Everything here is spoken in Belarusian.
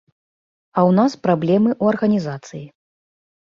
А ў нас праблемы ў арганізацыі.